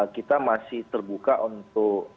kita masih terbuka untuk